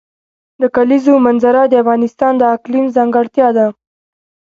د کلیزو منظره د افغانستان د اقلیم ځانګړتیا ده.